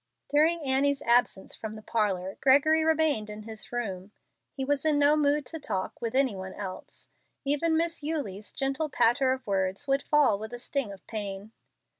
During Annie's absence from the parlor, Gregory remained in his room. He was in no mood to talk with any one else. Even Miss Eulie's gentle patter of words would fall with a sting of pain.